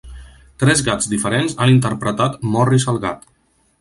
Tres gats diferents han interpretat Morris el Gat.